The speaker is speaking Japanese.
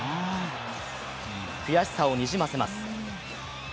悔しさをにじませます。